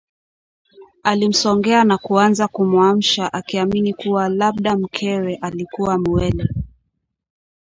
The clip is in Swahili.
Alimsogea na kuanza kumwamsha akiamini kuwa labda mkewe alikuwa muwele